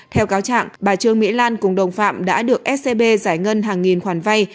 theo cáo trạng bà trương mỹ lan cùng đồng phạm đã được scb giải ngân hàng nghìn khoản vay